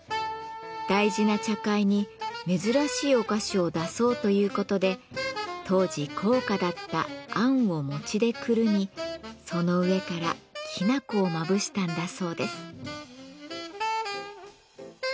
大事な茶会に珍しいお菓子を出そうということで当時高価だったあんを餅でくるみその上からきな粉をまぶしたんだそうです。